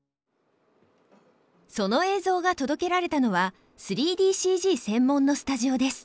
その映像が届けられたのは３ＤＣＧ専門のスタジオです。